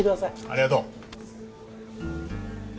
ありがとう。